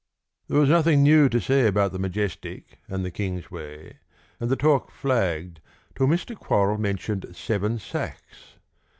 There was nothing new to say about the Majestic and the Kingsway, and the talk flagged until Mr. Quorrall mentioned Seven Sachs.